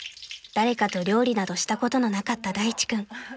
誰かと料理などしたことのなかった大地君］